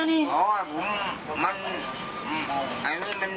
ไม่มีตัวสุทธิงที่มันเป็น